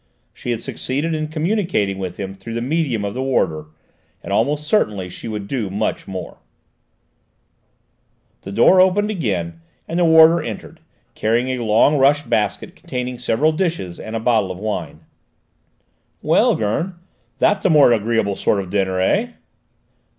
She had succeeded in communicating with him through the medium of this warder. And almost certainly she would do much more yet. The door opened again, and the warder entered, carrying a long rush basket containing several dishes and a bottle of wine. "Well, Gurn, that's a more agreeable sort of dinner, eh?"